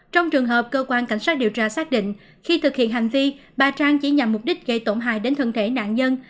trong trường hợp cơ quan cảnh sát điều tra xác định khi thực hiện hành vi bà trang chỉ nhằm mục đích gây tổn hại đến thân thể nạn nhân